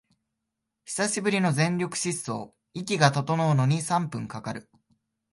久しぶりの全力疾走、息が整うのに三分かかる